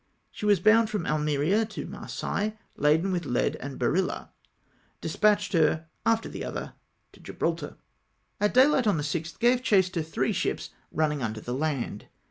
She was bound from Almeria to Marseilles, laden with lead and barilla. Despatched her after the other to Gibraltar. At dayhght on the 6th, gave chase to three ships, running under the land.